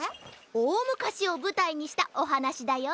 おおむかしをぶたいにしたおはなしだよ。